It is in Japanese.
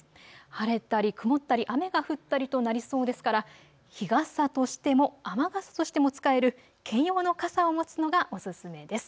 晴れたり、曇ったり、雨が降ったりとなりそうですから日傘としても雨傘としても使える兼用の傘を持つのがおすすめです。